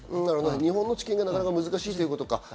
日本の治験が難しいということか。